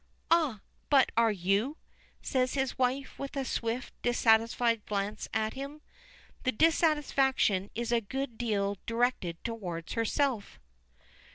"Ah! but are you?" says his wife with a swift, dissatisfied glance at him. The dissatisfaction is a good deal directed toward herself.